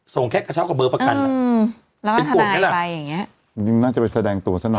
ส่งแค่กระเช้ากับเบอร์ประกันเป็นโกรธไหมล่ะมึงน่าจะไปแสดงตัวซะหน่อย